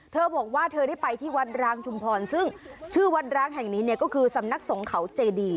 เธอบอกว่าเธอได้ไปที่วัดร้างชุมพรซึ่งชื่อวัดร้างแห่งนี้เนี่ยก็คือสำนักสงเขาเจดี